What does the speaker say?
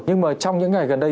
nhưng mà trong những ngày gần đây